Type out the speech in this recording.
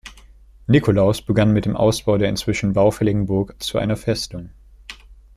Nikolaus begann mit dem Ausbau der inzwischen baufälligen Burg zu einer Festung.